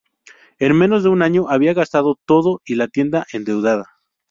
En menos de un año había gastado todo y la tienda endeudada.